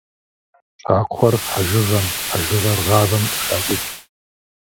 ЩӀакхъуэр хьэжыгъэм, хьэжыгъэр гъавэм къыхащӀыкӀ.